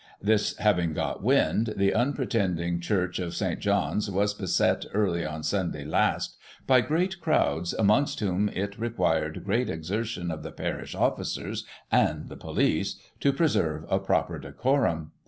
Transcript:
This having got wind, the unpretending church of St. John's was beset, early on Sunday last, by great crowds, amongst whom it required great exertion of the parish officers and the police to preserve a proper decorum.